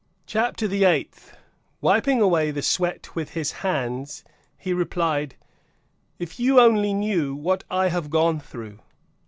CHAPTER THE EIGHTH. Wiping away the sweat with his hands, he replied, "If you only knew what I have gone through!"